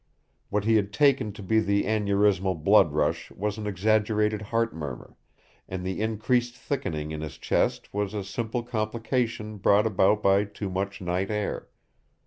What he had taken to be the aneurismal blood rush was an exaggerated heart murmur, and the increased thickening in his chest was a simple complication brought about by too much night air.